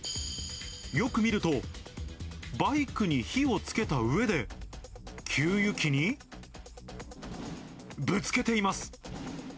よく見ると、バイクに火をつけたうえで、給油機に、ぶつけています。